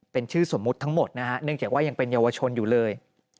เป็นชื่อสมมุติทั้งหมดนะฮะเนื่องจากว่ายังเป็นเยาวชนอยู่เลย